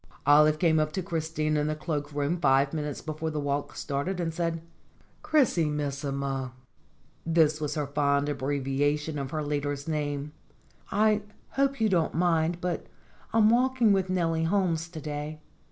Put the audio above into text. Olive came up to Christina in the cloak room five minutes before the walk started, and said: "Chrisi missima" this was her fond abbreviation of her leader's name "I hope you don't mind, but I'm walk ing with Nellie Holmes to day.